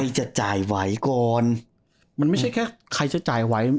จะจ่ายไหวก่อนมันไม่ใช่แค่ใครจะจ่ายไว้